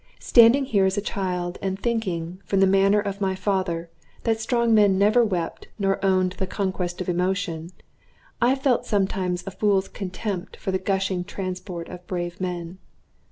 Standing here as a child, and thinking, from the manner of my father, that strong men never wept nor owned the conquest of emotion, I felt sometimes a fool's contempt for the gushing transport of brave men.